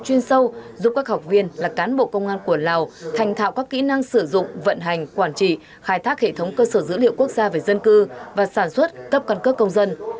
chuyên sâu giúp các học viên là cán bộ công an của lào thành thạo các kỹ năng sử dụng vận hành quản trị khai thác hệ thống cơ sở dữ liệu quốc gia về dân cư và sản xuất cấp căn cước công dân